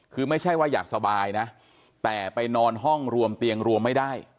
คือไม่ใช่ว่าอยากสบายนะแต่ไปนอนห้องรวมเตียงรวมไม่ได้